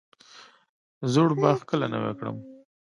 زوړ باغ کله نوی کړم؟